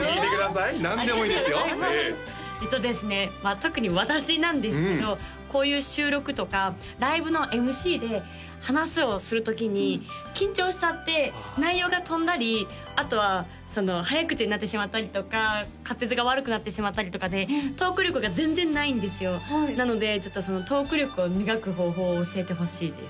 特に私なんですけどこういう収録とかライブのＭＣで話をするときに緊張しちゃって内容が飛んだりあとはその早口になってしまったりとか滑舌が悪くなってしまったりとかでトーク力が全然ないんですよなのでトーク力を磨く方法を教えてほしいです